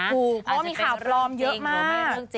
อ่ามีข่าวปลอมเยอะมาก